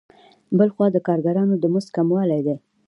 بل خوا د کارګرانو د مزد کموالی دی